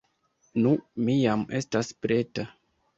Nu, mi jam estas preta.